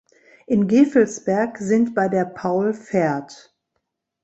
In Gevelsberg sind bei der Paul Ferd.